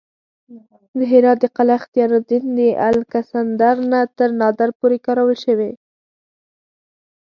د هرات د قلعه اختیارالدین د الکسندر نه تر نادر پورې کارول شوې